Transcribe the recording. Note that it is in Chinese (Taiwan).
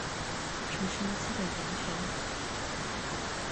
重申基本人權